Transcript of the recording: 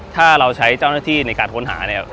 ถ้าเราใช้เจ้าหน้าที่ในการค้นหาเนี่ย